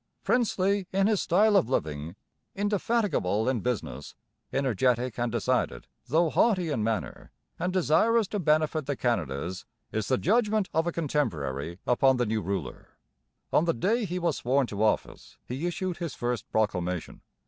'Princely in his style of living, indefatigable in business, energetic and decided, though haughty in manner, and desirous to benefit the Canadas,' is the judgment of a contemporary upon the new ruler. On the day he was sworn to office he issued his first proclamation.